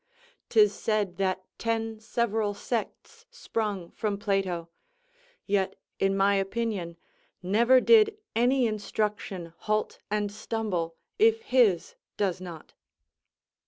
'Tis said that ten several sects sprung from Plato; yet, in my opinion, never did any instruction halt and stumble, if his does not.